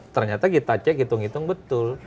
ternyata kita cek hitung hitung betul